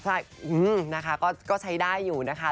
ใช่นะคะก็ใช้ได้อยู่นะคะ